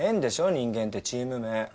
人間ってチーム名。